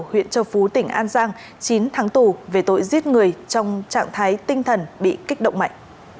huyện châu phú tỉnh an giang chín tháng tù về tội giết người trong trạng thái tinh thần bị kích động mạnh